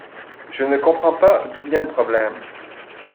Je ne comprends pas d'où vient le problème.